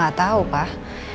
gak tau pak